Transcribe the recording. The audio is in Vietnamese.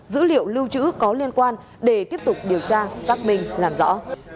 dữ liệu lưu trữ có liên quan để tiếp tục điều tra xác minh làm rõ